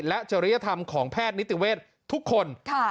และจริยธรรมของแพทย์นิติเวทย์ทุกคน